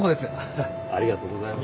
ハハッありがとうございます。